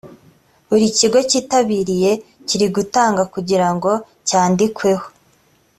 buri kigo cyitabiriye kiri gutanga kugira ngo cyandikweho